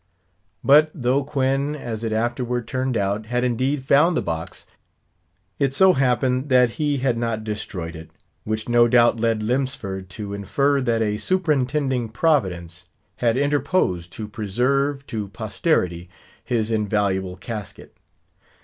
But though Quoin, as it afterward turned out, had indeed found the box, it so happened that he had not destroyed it; which no doubt led Lemsford to infer that a superintending Providence had interposed to preserve to posterity his invaluable casket.